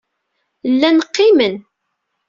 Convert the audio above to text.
Llan qqimen.